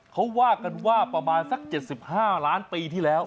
เขาว่ากันว่าประมาณสัก๗๕ล้านปีที่แล้ว